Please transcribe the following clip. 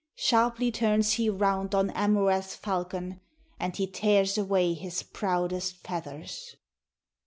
Sharply turns he round on Amurath's falcon, And he tears away his proudest feathers.